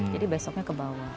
jadi besoknya kebawah